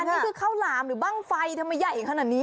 นี่คือข้าวหลามหรือบ้างไฟทำไมใหญ่ขนาดนี้